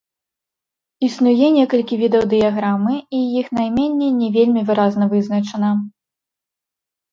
Існуе некалькі відаў дыяграмы, і іх найменне не вельмі выразна вызначана.